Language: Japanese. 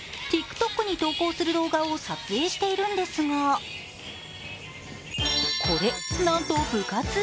ＴｉｋＴｏｋに投稿する動画を撮影しているんですがこれ、なんと部活。